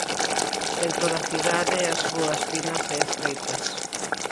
Dentro da cidade as rúas pinas e estreitas.